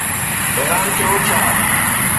حيران ٿيو ڇا؟